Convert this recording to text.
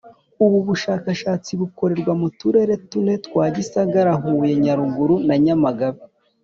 Ubu bushakashatsi bukorerwa mu turere tune twa Gisagara Huye Nyaruguru na Nyamagabe